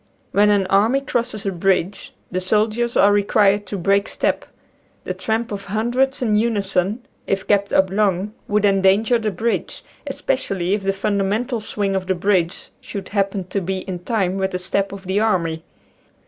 When an army crosses a bridge the soldiers are required to break step. The tramp of hundreds in unison if kept up long would endanger the bridge, especially if the fundamental swing of the bridge should happen to be in time with the step of the army.